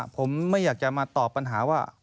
ผมไม่อยากจะมาตอบปัญหาว่า